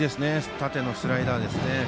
縦のスライダーですね。